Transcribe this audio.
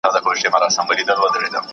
که ئې کوم زوی يا لور د خاصي توجه مستحق وو.